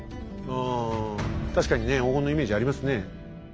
あ確かにね黄金のイメージありますね。